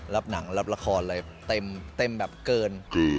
รับหนังรับละครอะไรเต็มแบบเกิน